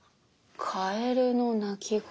カエルの鳴き声。